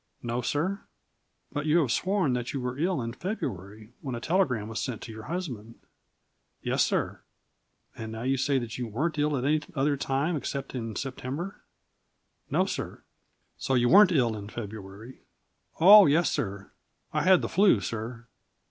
"No, sir." "But you have sworn that you were ill in February, when a telegram was sent to your husband?" "Yes, sir." "And now you say that you weren't ill at any other time except in September?" "No, sir." "So you weren't ill in February?" "Oh yes, sir; I had the 'flu, sir."